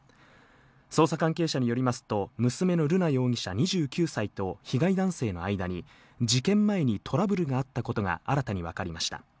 捜査関係者によりますと、娘の瑠奈容疑者・２９歳と、被害男性の間に事件前にトラブルがあったことが新たにわかりました。